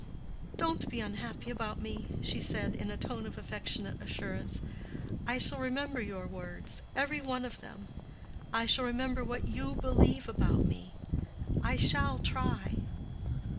"Don't be unhappy about me," she said, in a tone of affectionate assurance. "I shall remember your words—every one of them. I shall remember what you believe about me; I shall try."